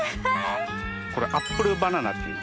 これアップルバナナっていいます。